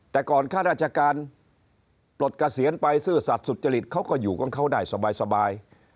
แต่ก่อนข้าราชการปลดเกษียณไปซื่อสัตว์สุจริตเขาก็อยู่กับเขาได้สบาย